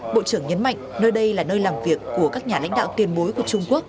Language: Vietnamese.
bộ trưởng nhấn mạnh nơi đây là nơi làm việc của các nhà lãnh đạo tiền bối của trung quốc